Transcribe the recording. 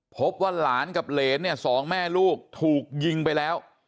พบว่าหลานกับเหรนเนี่ยสองแม่ลูกถูกยิงไปแล้ว